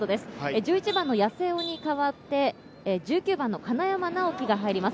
１１番の八瀬尾に代わって、１９番の金山尚生が入ります。